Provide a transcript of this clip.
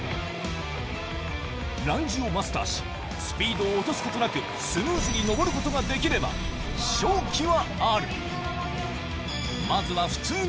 ランジをマスターし、スピードを落とすことなく、スムーズに登ることができれば、勝機はある。